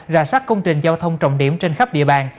rà soát công trình giao thông trọng điểm trên khắp địa bàn